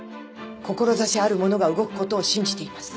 志ある者が動くことを信じています。